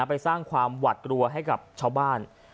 ไปสร้างความหวัดกลัวให้กับชาวบ้าน